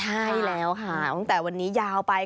ใช่แล้วค่ะตั้งแต่วันนี้ยาวไป